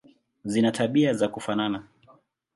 Zina tabia za kufanana.